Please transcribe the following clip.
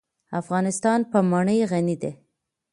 افغانستان په منی غني دی.